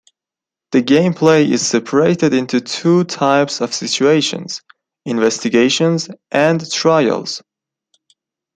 The gameplay is separated into two types of situations: Investigations and trials.